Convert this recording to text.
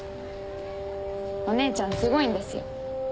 お姉ちゃんすごいんですよ。